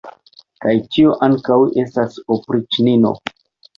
Kaj tio ankaŭ estas opriĉnino!